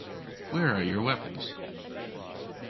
Where are your weapons?